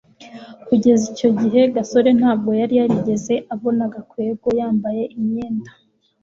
kugeza icyo gihe, gasore ntabwo yari yarigeze abona gakwego yambaye imyenda